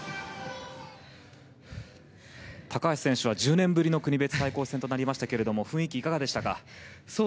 高橋選手は１０年ぶりの国別対抗戦となりましたけれども雰囲気はいかがでしたか？